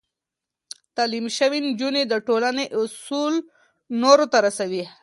تعليم شوې نجونې د ټولنې اصول نورو ته رسوي.